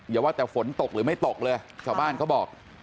อย่าว่าแต่ฝนตกหรือไม่ตกเลยชาวบ้านเขาบอก